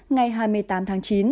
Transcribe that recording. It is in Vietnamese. ngày hai mươi tám tháng chín